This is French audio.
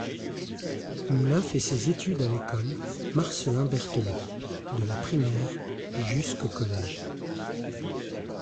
Moulla fait ses études à l'école Marcelin Berthelot de la primaire jusqu'au collège.